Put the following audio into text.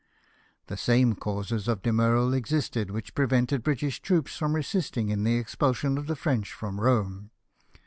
The same causes of demurral existed which prevented British troops from assisting in the expulsion of the French from Kome.